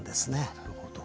なるほど。